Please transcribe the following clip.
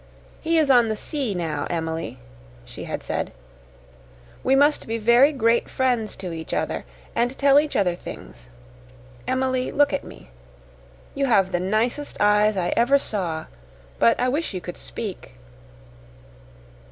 "He is on the sea now, Emily," she had said. "We must be very great friends to each other and tell each other things. Emily, look at me. You have the nicest eyes I ever saw but I wish you could speak."